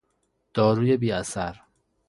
داروی بیاثر